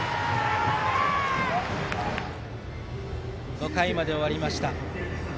５回まで終わりました。